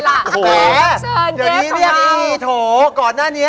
โถแต่เดี๋ยวนี้เรียกอีทห์โถก่อนหน้านี้